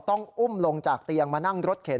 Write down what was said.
ต้องอุ้มลงจากเตียงมานั่งรถเข็น